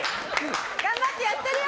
頑張ってやってるよ